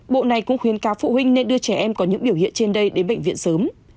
bộ này cũng khuyến cáo phụ huynh nên đưa trẻ em có những biểu hiện trên đây đến bệnh viện sớm